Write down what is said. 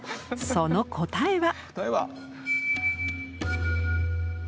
その答えは？